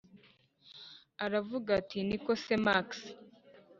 aravuga ati: niko se max,